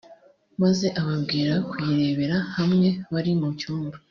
maze ababwira kuyirebera hamwe bari mu cyumba